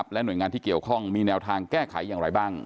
และหน่วยงานที่เกี่ยวข้องมีแนวทางแก้ไขอย่างไรบ้าง